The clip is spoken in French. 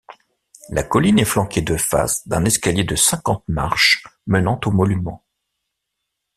La colline est flanquée de face d'un escalier de cinquante marches menant au monument.